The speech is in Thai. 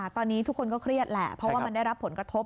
ตอนนี้ทุกคนก็เครียดแหละเพราะว่ามันได้รับผลกระทบ